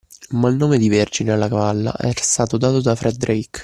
Ma il nome di Vergine alla cavalla era stato dato da Fred Drake!